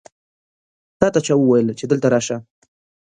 تا ته چا وویل چې دلته راسه؟